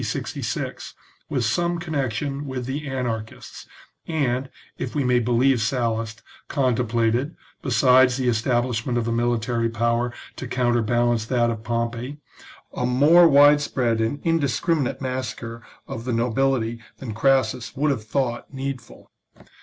66, with some connection with the anarchists, and, if we may believe Sallust, con templated, besides the establishment of a military power to counterbalance that of Pompey, a more widespread and indiscriminate massacre of the no bility than Crassus would have thought needful.